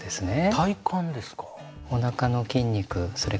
体幹ですか？